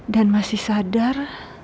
dan masih sadar